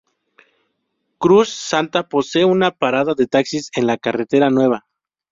Cruz Santa posee una parada de taxis en la Carretera Nueva.